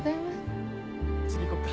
次行こっか。